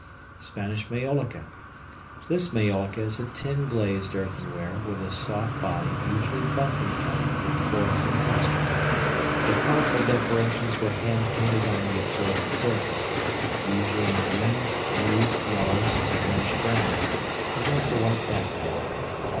Spanish Maiolica. This maiolica is a tin glazed earthenware with a soft body usually buff in color and porous in texture. The colorful decorations were hand painted on the absorbent surface usually in greens, blues, yellows, and reddish browns, against a white background.